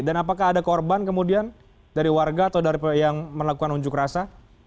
dan apakah ada korban kemudian dari warga atau dari yang melakukan unjuk rasa